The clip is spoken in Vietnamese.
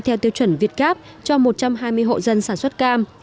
theo tiêu chuẩn việt gáp cho một trăm hai mươi hộ dân sản xuất cam